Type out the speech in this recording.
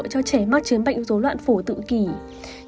cho trẻ mắc chếm bệnh rối loạn phổ tự kỷ